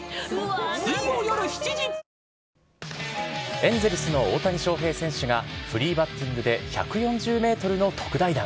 エンゼルスの大谷翔平選手が、フリーバッティングで１４０メートルの特大弾。